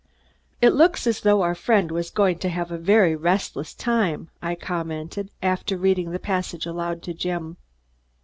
"It looks as though our friend was going to have a very restless time," I commented, after reading the passage aloud to Jim.